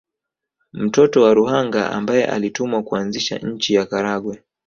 Mtoto wa Ruhanga ambaye alitumwa kuanzisha nchi ya Karagwe